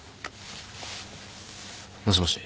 もしもし。